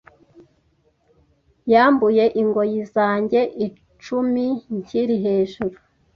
Yambuye ingoyi zanjye icumi nkiri hejuru